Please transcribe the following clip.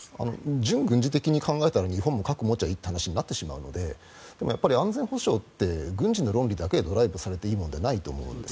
純軍事的に考えたら日本も核を持てばいいってなってしまうのででもやっぱり安全保障って軍事の論理だけでドライブされていいものじゃないと思うんです。